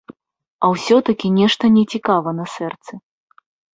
А ўсё-такі нешта нецікава на сэрцы.